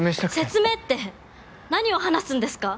説明って何を話すんですか？